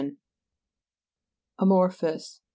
51.) AMO'RPHOUS fr.